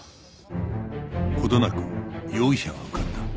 ほどなく容疑者が浮かんだ